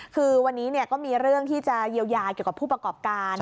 คือวันนี้ก็มีเรื่องที่จะเยียวยาเกี่ยวกับผู้ประกอบการ